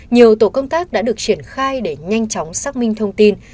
nhiều tổ công tác đã được triển khai để nhanh chóng xác minh thông tin